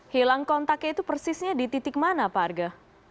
hilang kontaknya itu persisnya di titik mana pak arga